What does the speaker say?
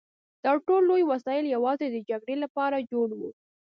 دا ټول لوی وسایل یوازې د جګړې لپاره جوړ وو